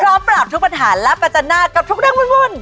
พร้อมรับทุกปัญหาลับปัจจันทร์กับทุกด้านว่น